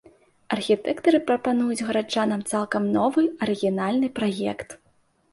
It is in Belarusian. Архітэктары прапануюць гараджанам цалкам новы, арыгінальны праект.